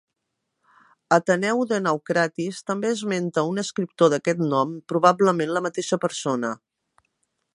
Ateneu de Naucratis també esmenta un escriptor d'aquest nom, probablement la mateixa persona.